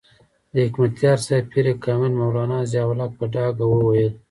د حکمتیار صاحب پیر کامل مولانا ضیاء الحق په ډاګه وویل.